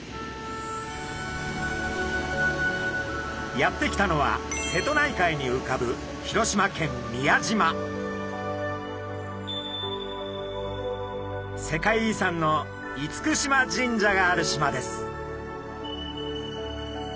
やって来たのは瀬戸内海にうかぶ世界遺産の厳島神社がある島です。